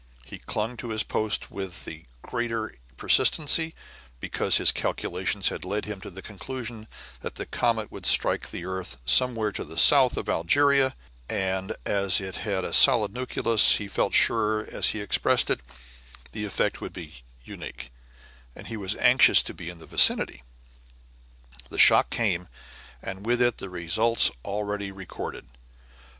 He clung to his post with the greater persistency, because his calculations had led him to the conclusion that the comet would strike the earth somewhere to the south of Algeria, and as it had a solid nucleus, he felt sure that, as he expressed it, the effect would be "unique," and he was anxious to be in the vicinity. The shock came, and with it the results already recorded.